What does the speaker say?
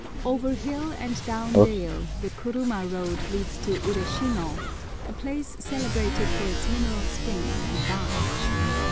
Over hill and down dale the ku ruma road leads to Ureshino, a place celebrated for its mineral springs and bath.